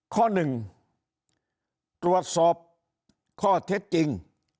ข้อหนึ่งตรวจสอบข้อเท็จจริง